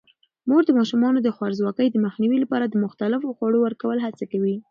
مور د ماشومانو د خوارځواکۍ د مخنیوي لپاره د مختلفو خوړو ورکولو هڅه کوي.